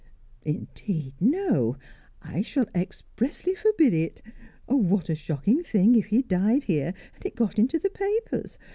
"Indeed, no! I shall expressly forbid it. What a shocking thing if he died here, and it got into the papers!